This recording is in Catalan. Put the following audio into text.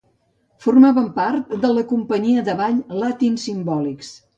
Formaven part de la companyia de ball Latin Symbolics.